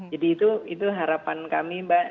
jadi itu harapan kami mbak